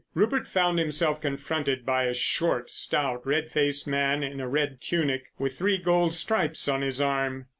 Rupert found himself confronted by a short, stout, red faced man in a red tunic with three gold stripes on his arm.